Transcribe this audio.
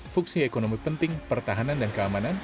fungsi ekonomi penting pertahanan dan keamanan